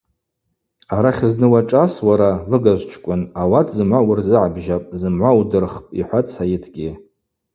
Арахь зны уашӏас уара, лыгажвчкӏвын, ауат зымгӏва уырзыгӏбжьапӏ, зымгӏва удырхпӏ, – йхӏватӏ Сайытгьи.